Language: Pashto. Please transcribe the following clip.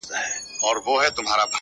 • نوره به دي زه له ياده وباسم.